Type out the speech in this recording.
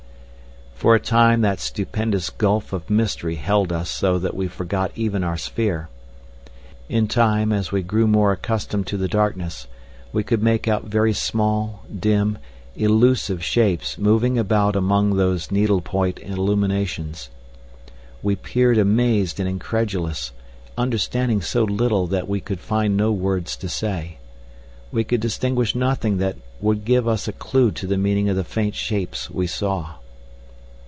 For a time that stupendous gulf of mystery held us so that we forgot even our sphere. In time, as we grew more accustomed to the darkness, we could make out very small, dim, elusive shapes moving about among those needle point illuminations. We peered amazed and incredulous, understanding so little that we could find no words to say. We could distinguish nothing that would give us a clue to the meaning of the faint shapes we saw.